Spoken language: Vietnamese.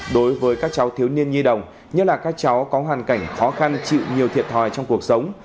đối với các cháu thiếu niên nhi đồng nhất là các cháu có hoàn cảnh khó khăn chịu nhiều thiệt thòi trong cuộc sống